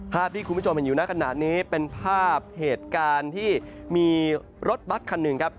ภาพที่คุณผู้ชมเห็นอยู่หน้าขณะนี้เป็นภาพเหตุการณ์ที่มีรถบัตรคันหนึ่งครับ